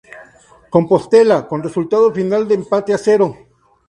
Compostela, con resultado final de empate a cero.